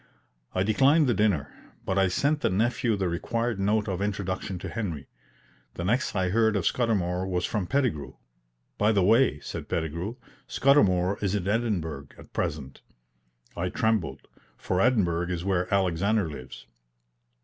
I declined the dinner, but I sent the nephew the required note of introduction to Henry. The next I heard of Scudamour was from Pettigrew. "By the way," said Pettigrew, "Scudamour is in Edinburgh at present." I trembled, for Edinburgh is where Alexander lives.